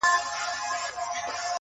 • هم ښایسته هم په ځان غټ هم زورور دی,